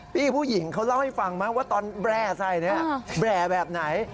ผู้หญิงเขาเล่าให้ฟังไหมว่าตอนแร่ใส่เนี่ยแบร่แบบไหน